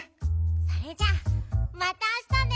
それじゃあまたあしたね。